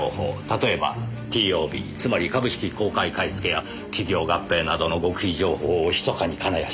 例えばＴＯＢつまり株式公開買付や企業合併などの極秘情報をひそかに金谷社長に流す。